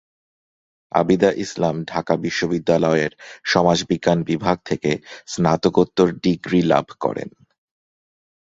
আবিদা ইসলাম ঢাকা বিশ্ববিদ্যালয়ের সমাজবিজ্ঞান বিভাগ থেকে স্নাতকোত্তর ডিগ্রি লাভ করেন।